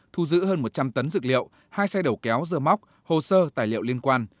thu giữ hơn một trăm linh tấn dược liệu hai xe đầu kéo dơ móc hồ sơ tài liệu liên quan